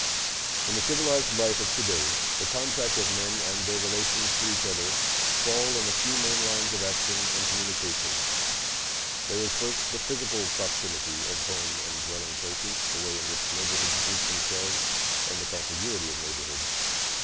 In the civilized life of to day the contact of men and their relations to each other fall in a few main lines of action and communication: there is, first, the physical proximity of home and dwelling places, the way in which neighborhoods group themselves, and the contiguity of neighborhoods.